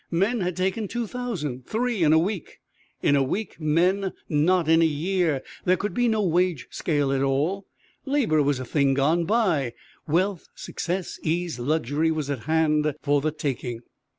Men had taken two thousand three in a week; in a week, men, not in a year! There could be no wage scale at all. Labor was a thing gone by. Wealth, success, ease, luxury was at hand for the taking.